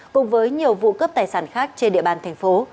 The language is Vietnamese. cùng với nhiều vụ cướp tài sản khác trên địa bàn thành phố